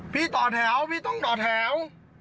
ต่อแถวพี่ต้องต่อแถว